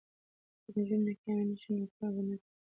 که نجونې ناکامې نه شي نو کال به نه ضایع کیږي.